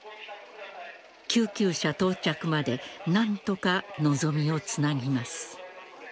救急車到着まで何とか望みをつなぎます。